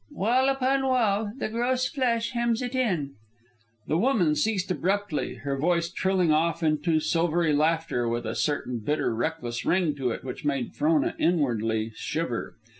"'Wall upon wall, the gross flesh hems it in '" The woman ceased abruptly, her voice trilling off into silvery laughter with a certain bitter reckless ring to it which made Frona inwardly shiver.